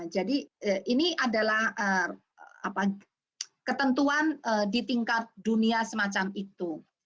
jadi ini adalah ketentuan di tingkat dunia semacam itu